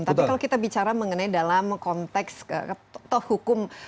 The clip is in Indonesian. tapi kalau kita bicara dalam konteks hukum